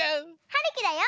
はるきだよ。